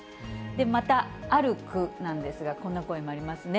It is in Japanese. また、ある区なんですが、こんな声もありますね。